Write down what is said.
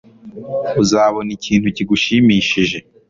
Uzabona ikintu kigushimishije